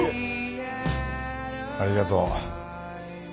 ありがとう。